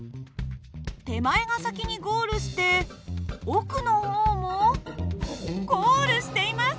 手前が先にゴールして奥の方もゴールしています！